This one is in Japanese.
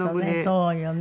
そうよね。